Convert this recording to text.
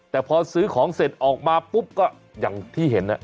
แต่พอซื้อของเสร็จออกมาปุ๊บก็อย่างที่เห็น